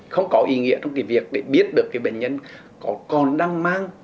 không có ý nghĩa trong việc biết được bệnh nhân còn đang mang